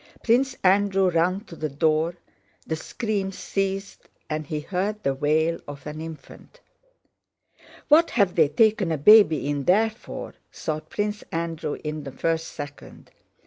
Prince Andrew ran to the door; the scream ceased and he heard the wail of an infant. "What have they taken a baby in there for?" thought Prince Andrew in the first second.